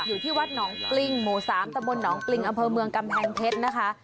อยู่ที่วัดน้องกลิ้งหมู๓ตะบนน้องกลิ้งอเภอเมืองกำแพงเพชรนะคะ